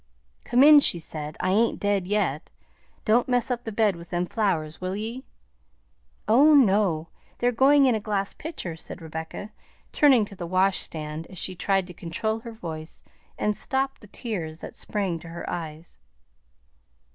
"Come in," she said; "I ain't dead yet. Don't mess up the bed with them flowers, will ye?" "Oh, no! They're going in a glass pitcher," said Rebecca, turning to the washstand as she tried to control her voice and stop the tears that sprang to her eyes.